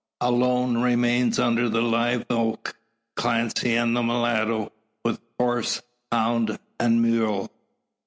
Alone remain under the live oak, Clancy and the mulatto, with horse, hound, and mule.